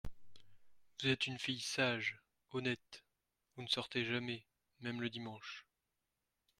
Vous êtes une fille sage, honnête ; vous ne sortez jamais, même le dimanche…